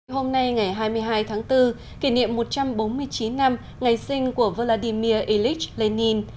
hôm nay ngày hai mươi hai tháng bốn kỷ niệm một trăm bốn mươi chín năm ngày sinh của vladimir ilyich lenin